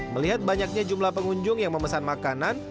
melihat banyaknya jumlah pengunjung yang memesan makanan